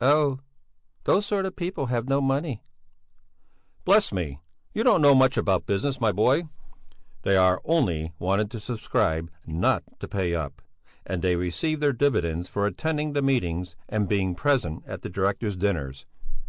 "Oh! Those sort of people have no money!" "Bless me! You don't know much about business, my boy! They are only wanted to subscribe, not to pay up! And they receive their dividends for attending the meetings and being present at the directors' dinners!